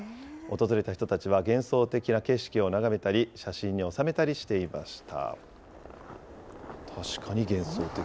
訪れた人たちは幻想的な景色を眺めたり、写真に収めたりしていました。